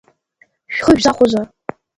Шәхы шәзахәозар!